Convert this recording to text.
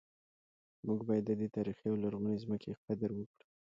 موږ باید د دې تاریخي او لرغونې ځمکې قدر وکړو